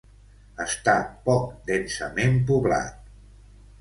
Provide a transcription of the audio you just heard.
Està poc densament poblat.